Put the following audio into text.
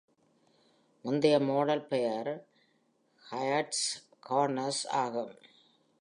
முந்தைய மாடல் பெயர் heights corners ஆகும்.